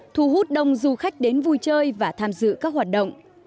thu hút đông du khách đến vui chơi và tham dự các hoạt động